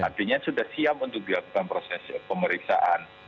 artinya sudah siap untuk dilakukan proses pemeriksaan